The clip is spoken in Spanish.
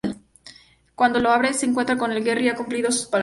Cuando lo abre se encuentra con que Gerry ha cumplido su palabra.